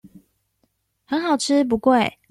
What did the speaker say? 很好吃不貴